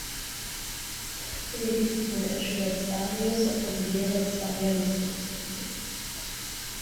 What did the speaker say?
In Ägypten wurde er Schüler des Arius, auf den die Lehre des Arianismus zurückgeht.